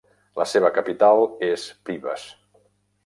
La seva capital és Privas.